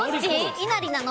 いなりなの？